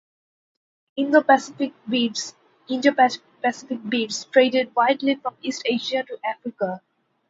Indo Pacific beads traded widely from East Asia to Africa.